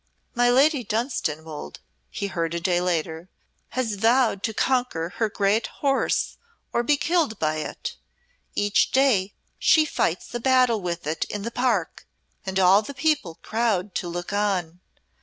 "My Lady Dunstanwolde," he heard a day later, "has vowed to conquer her great horse or be killed by it. Each day she fights a battle with it in the park, and all the people crowd to look on.